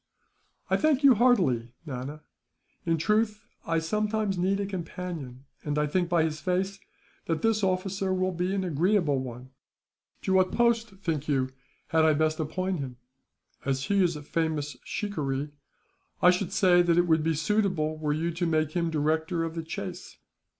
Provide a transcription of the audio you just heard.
"I thank you heartily, Nana. In truth, I sometimes need a companion; and I think, by his face, that this officer will be an agreeable one. To what post, think you, had I best appoint him?" "As he is a famous shikaree, I should say that it would be suitable were you to make him director of the chase."